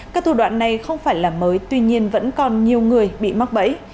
các thủ đoạn này không phải là mới tuy nhiên vẫn còn nhiều người bị mắc bẫy